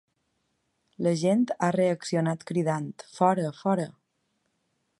La gent ha reaccionat cridant ‘fora, fora’.